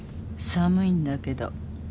寒いんだけど。